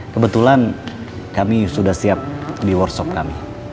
kebetulan kami sudah siap di workshop kami